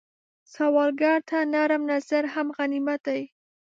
سوالګر ته نرم نظر هم غنیمت دی